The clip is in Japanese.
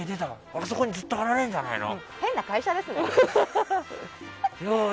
あそこにずっと貼られるんじゃないの？